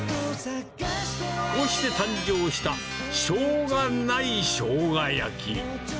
こうして誕生したしょうがないしょうが焼き。